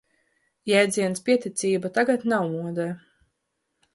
Jēdziens pieticība tagad nav modē.